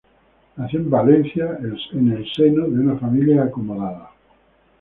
Nació en Valencia el seno de una familia acomodada.